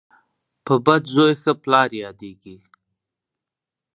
په بد زوی ښه پلار یادیږي.